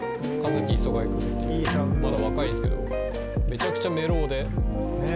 まだ若いんすけどめちゃくちゃメロウで。